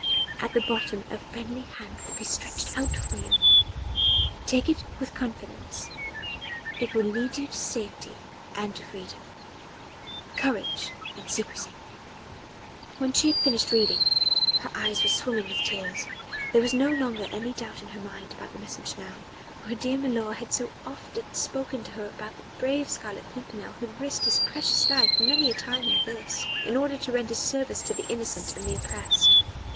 At the bottom a friendly hand will be stretched out for you. Take it with confidence it will lead you to safety and to freedom. Courage and secrecy." When she had finished reading, her eyes were swimming in tears. There was no longer any doubt in her mind about the message now, for her dear milor had so often spoken to her about the brave Scarlet Pimpernel who had risked his precious life many a time ere this, in order to render service to the innocent and the oppressed.